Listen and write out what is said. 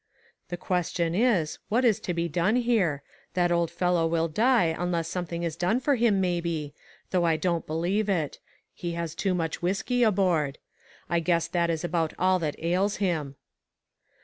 " The question is, what is to be done here? That old fellow will die, unless some thing is done for him maybe, though I don't believe it. He has too much whiskey aboard. I guess that is about all that ails him